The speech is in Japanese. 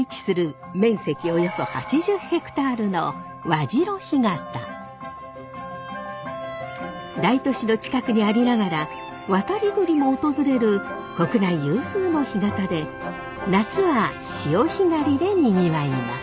およそ８０ヘクタールの大都市の近くにありながら渡り鳥も訪れる国内有数の干潟で夏は潮干狩りでにぎわいます。